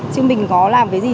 chứ mình có làm cái gì